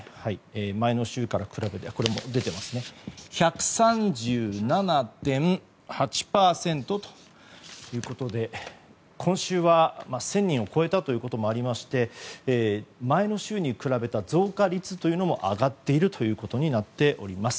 前の週から比べて１３７．８％ということで今週は１０００人を超えたということもありまして前の週に比べた増加率も上がっていることになります。